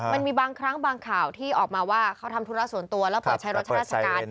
มันมีบางครั้งบางข่าวที่ออกมาว่าเขาทำธุระส่วนตัวแล้วเปิดใช้รถราชการ